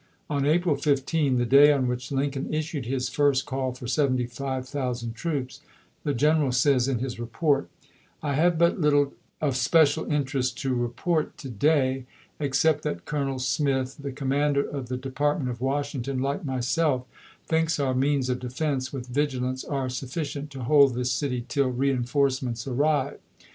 On April 15, the day on which Lincoln issued his first call for 75,000 troops, the general says, in his report : I have but little of special interest to report to day, except that Colonel Smith, the commander of the Depart ment of Washington, like myself, thinks our means of defense, with vigilance, are sufiicient to hold this city till reenforcements arrive.